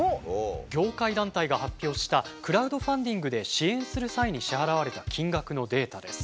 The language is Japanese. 業界団体が発表したクラウドファンディングで支援する際に支払われた金額のデータです。